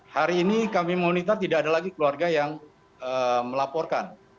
hari ini kami monitor tidak ada lagi keluarga yang melaporkan